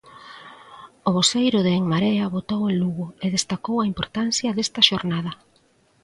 O voceiro de En Marea votou en Lugo e destacou a importancia desta xornada.